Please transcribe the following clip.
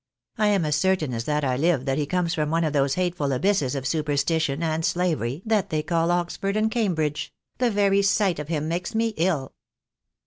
I am as certain as that I live that he comes from one of those hateful abysses of superstition and slavery that they call Oxford and Cambridge !— the very sight of him makes me ill